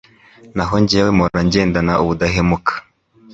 Naho jyewe mpora ngendana ubudahemuka